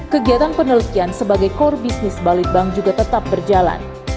kegiatan penelitian sebagai core bisnis balitbang juga tetap berjalan